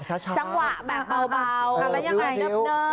จังหวะแบบเบาแล้วยังไงเนิบ